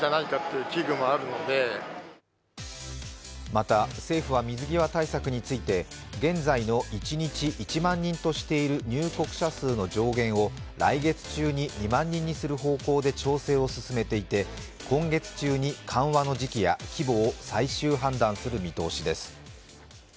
また政府は水際対策について、現在の一日１万人としている入国者数の上限を来月中に２万人にする方向で調整を進めていて、今月中に緩和の時期や規模を最終判断する見通しです。